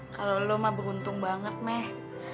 kalau lo mah beruntung banget meh